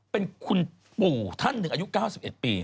เป็นคุณปู่ท่านหนึ่งอายุ๙๑ปี